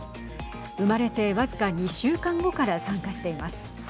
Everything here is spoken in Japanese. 生まれて僅か２週間後から参加しています。